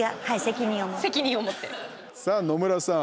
さあ、野村さん。